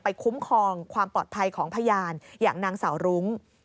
คุ้มครองความปลอดภัยของพยานอย่างนางสาวรุ้ง